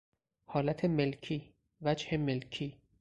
حالت ملکی، وجه ملکی